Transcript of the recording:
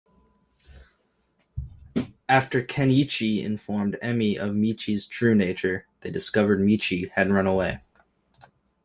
After Ken'ichi informed Emmy of Michi's true nature, they discovered Michi had run away.